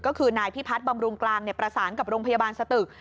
ก็คือนายพิพัฒน์บำรุงกลางประสานกับโรงพยาบาลสตึก